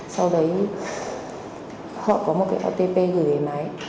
sau đấy họ có một cái otp gửi về máy